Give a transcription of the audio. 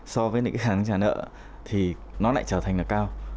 so với những cái hàng trả nợ thì nó lại trở thành là cao